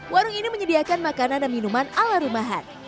warung ini menyediakan makanan dan minuman ala rumahan